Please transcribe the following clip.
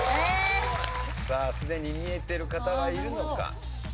さあすでに見えている方はいるのか？